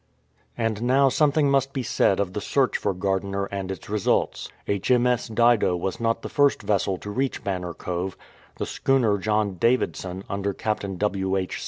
And now something must be said of the search for Gardiner and its results. H.M.S. Dido was not the first vessel to reach Banner Cove. The schooner John Davidson, under Captain W. H.